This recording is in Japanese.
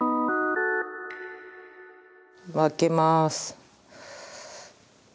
分けます。